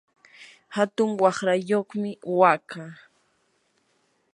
hatun waqrayuqmi wakaa.